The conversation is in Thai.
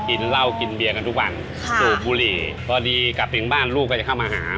กินเหล้ากินเบียร์กันทุกวันสูบบุหรี่พอดีกลับถึงบ้านลูกก็จะเข้ามาหา